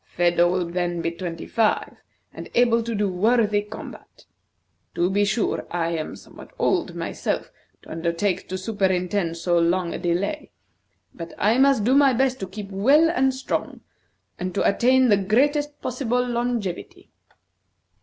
Phedo will then be twenty five, and able to do worthy combat. To be sure, I am somewhat old myself to undertake to superintend so long a delay, but I must do my best to keep well and strong, and to attain the greatest possible longevity."